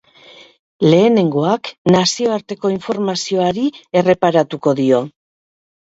Lehenengoak nazioarteko informazioari erreparatuko dio.